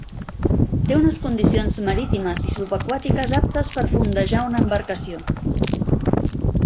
Té unes condicions marítimes i subaquàtiques aptes per fondejar una embarcació.